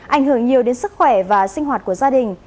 ảnh hưởng nhiều đến sức khỏe và sinh hoạt của gia đình